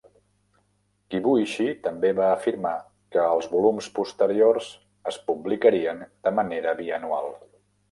Kibuishi també va afirmar que els volums posteriors es publicarien de manera bianual.